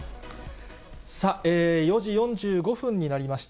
さあ、４時４５分になりました。